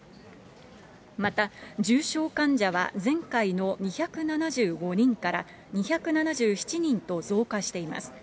また、重症患者は前回の２７５人から２７７人と増加しています。